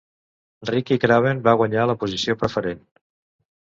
Ricky Craven va guanyar la posició preferent.